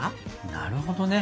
なるほどね。